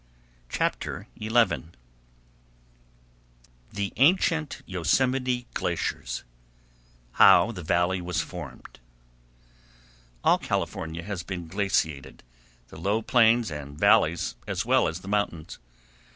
Chapter 11 The Ancient Yosemite Glaciers: How the Valley Was Formed All California has been glaciated, the low plains and valleys as well as the mountains.